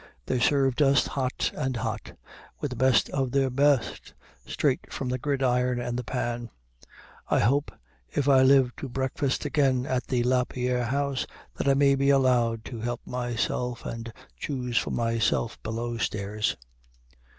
They served us, hot and hot, with the best of their best, straight from the gridiron and the pan. I hope, if I live to breakfast again in the Lapierre House, that I may be allowed to help myself and choose for myself below stairs.